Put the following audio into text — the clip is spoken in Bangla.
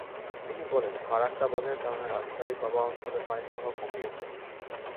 তিনি বলেন, ফারাক্কা বাঁধের কারণে রাজশাহীর পবা অঞ্চলে পানিপ্রবাহ কমে গেছে।